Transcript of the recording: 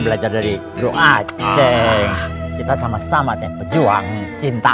belajar dari guru aceh kita sama sama teh pejuang cinta